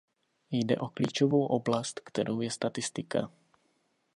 Jde o klíčovou oblast, kterou je statistika.